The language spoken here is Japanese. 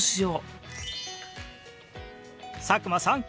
佐久間さん